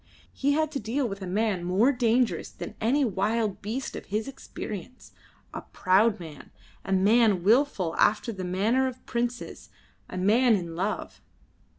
He had to deal with a man more dangerous than any wild beast of his experience: a proud man, a man wilful after the manner of princes, a man in love.